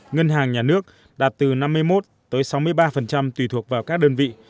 ngân hàng nhà nước đạt từ năm mươi một tới sáu mươi ba tùy thuộc vào các đơn vị